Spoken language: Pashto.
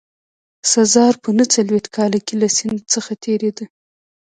سزار په نه څلوېښت کال کې له سیند څخه تېرېده.